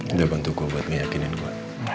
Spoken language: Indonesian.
udah bantu gue buat ngeyakinin gue